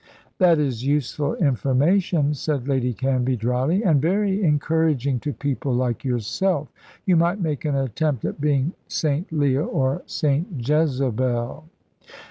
"That is useful information," said Lady Canvey, dryly; "and very encouraging to people like yourself. You might make an attempt at being Saint Leah or Saint Jezebel."